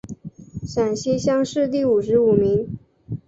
陕西乡试第五十五名。